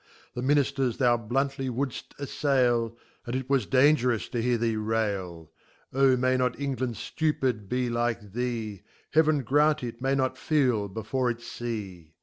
The Minijters thou bluntly would ft" afTail, And it was dangerous to hear thee rail. (Ob may not England jlupid be like thee ! Heaven grant it may not feel before H fee.)